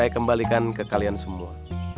saya kembalikan ke kalian semua